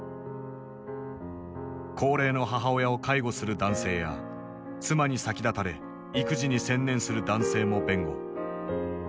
高齢の母親を介護する男性や妻に先立たれ育児に専念する男性も弁護。